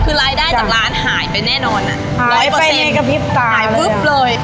คือรายได้จากร้านหายไปแน่นอนอ่ะหายไปในกระพริบตาเลยอ่ะหายปุ๊บเลย